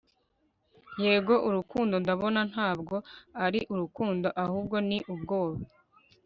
yego, urukundo, ndabona; ntabwo ari urukundo ahubwo ni ubwoba